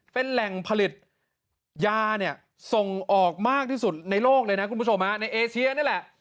เป็นแหล่งผลิตยาเนี่ยส่งออกมากที่สุดในโลกเลยนะคุณผู้ชมในเอเชียนี่แหละ